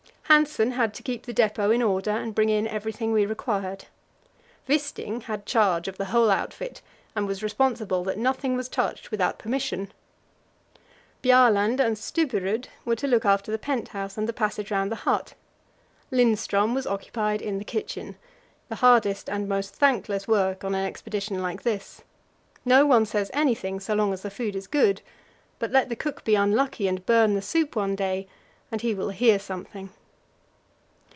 Hanssen had to keep the depot in order and bring in everything we required. Wisting had charge of the whole outfit, and was responsible that nothing was touched without permission. Bjaaland and Stubberud were to look after the pent house and the passage round the hut. Lindström was occupied in the kitchen the hardest and most thankless work on an expedition like this. No one says anything so long as the food is good; but let the cook be unlucky and burn the soup one day, and he will hear something.